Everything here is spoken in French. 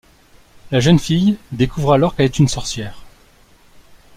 La jeune fille découvre alors qu'elle est une sorcière.